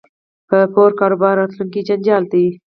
په پور کاروبار راتلونکی جنجال دی